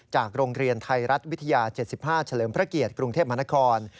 โรงเรียนไทยรัฐวิทยา๗๕เฉลิมพระเกียรติกรุงเทพมหานคร